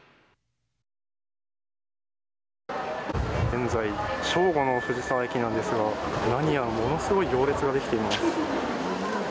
現在、正午の藤沢駅なんですが何やら、ものすごい行列ができています。